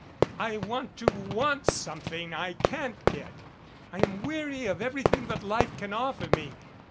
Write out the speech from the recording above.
I want to want something I can't get. I am weary of everything that life can offer me.